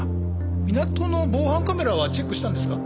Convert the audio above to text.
港の防犯カメラはチェックしたんですか？